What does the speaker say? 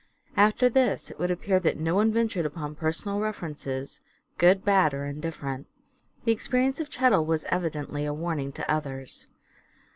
After this it would appear that no one ventured upon personal references, good, bad, or indifferent. The experience of Chettle was evidently a warning to others.